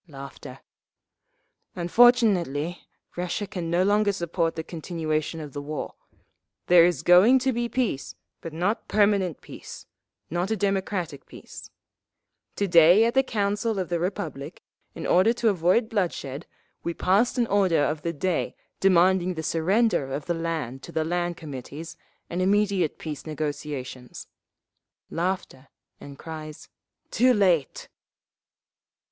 "Unfortunately Russia can no longer support the continuation of the war. There is going to be peace, but not permanent peace—not a democratic peace…. To day, at the Council of the Republic, in order to avoid bloodshed, we passed an order of the day demanding the surrender of the land to the Land Committees and immediate peace negotiations…." (Laughter, and cries, "Too late!")